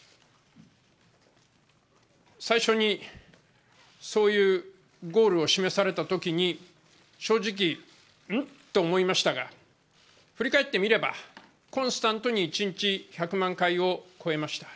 最初にそういうゴールを示されたときに正直、うん？と思いましたが、振り返ってみれば、コンスタントに一日１００万回を超えました。